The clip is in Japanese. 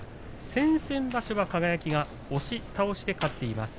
先々場所は輝が押し倒しで勝っています。